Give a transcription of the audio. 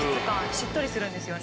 しっとりするんですよね。